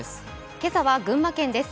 今朝は群馬県です。